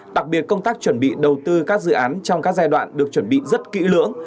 đặc biệt công tác chuẩn bị đầu tư các dự án trong các giai đoạn được chuẩn bị rất kỹ lưỡng